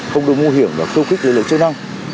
không đổi mũ hiểm và khâu khích lưới lưới chức năng